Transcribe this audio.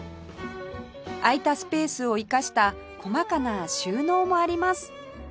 空いたスペースを生かした細かな収納もあります